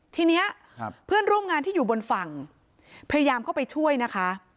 ทีนี้เพื่อนร่วมงานที่อยู่บนฝั่งพยายามเข้าไปช่วยนะคะ